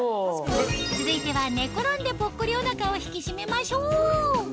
続いては寝転んでポッコリお腹を引き締めましょう